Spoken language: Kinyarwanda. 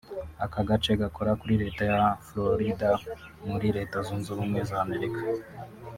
Aka gace gakora kuri leta ya Florida muri leta zunze ubumwe z’ Amerika